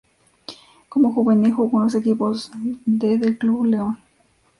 Como juvenil, jugó en los equipos de del Club León.